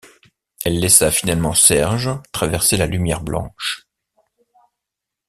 Elle laissa finalement Serge traverser la lumière blanche.